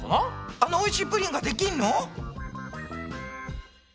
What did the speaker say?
あのおいしいプリンができんの？